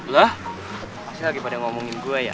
lah masih lagi pada ngomongin gue ya